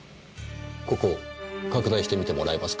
ここ拡大してみてもらえますか？